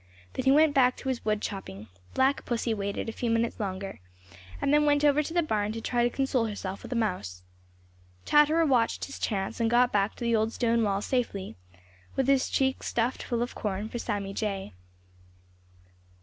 Then he went back to his wood chopping. Black Pussy waited a few minutes longer and then went over to the barn to try to console herself with a mouse. Chatterer watched his chance and got back to the old stone wall safely, with his cheeks stuffed full of corn for Sammy Jay.